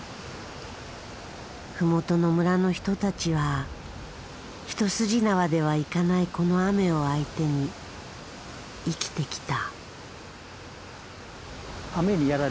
麓の村の人たちは一筋縄ではいかないこの雨を相手に生きてきた。